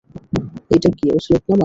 এইটা কি অছিয়তনামা?